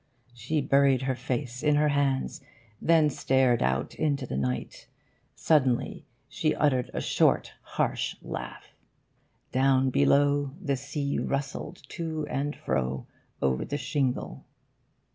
She buried her face in her hands, then stared out into the night. Suddenly she uttered a short, harsh laugh. 'Down below, the sea rustled to and fro over the shingle.